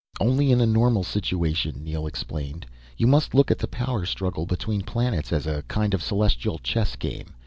"Only in a normal situation," Neel explained. "You must look at the power struggle between planets as a kind of celestial chess game.